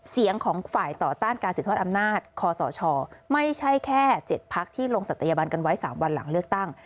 เสียงของฝ่ายต่อต้านการสืบทอดอำนาจคอสชไม่ใช่แค่๗พักที่ลงศัตยบันกันไว้๓วันหลังเลือกตั้ง